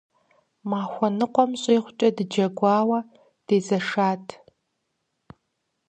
Махуэ ныкъуэм щӏигъукӏэ дыджэгуауэ дезэшат.